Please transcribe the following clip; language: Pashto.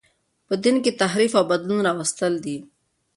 په دین کښي تحریف او بدلون راوستل دي.